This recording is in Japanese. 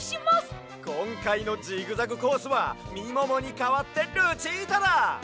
こんかいのジグザグコースはみももにかわってルチータだ！